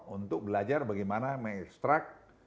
untuk belajar bagaimana mengekstrak